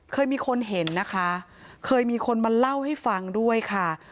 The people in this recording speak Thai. เคยมีคนเห็นนะคะเคยมีคนมาเล่าให้ฟังด้วยค่ะ